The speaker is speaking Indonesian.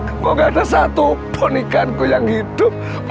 aku gak ada satu pun ikanku yang hidup